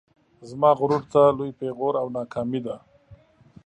زما غرور ته لوی پیغور او ناکامي ده